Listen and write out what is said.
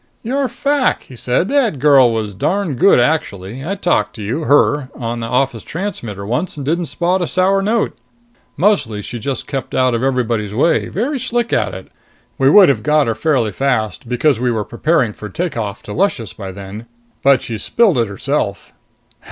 "Your fac," he said. "The girl was darn good actually. I talked to you her on office transmitter once and didn't spot a sour note. Mostly she just kept out of everybody's way. Very slick at it! We would have got her fairly fast because we were preparing for take off to Luscious by then. But she spilled it herself."